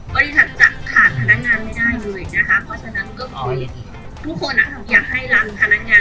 บริษัทจะขาดพนักงานไม่ได้เลยนะคะเพราะฉะนั้นก็คือทุกคนอยากให้รังพนักงาน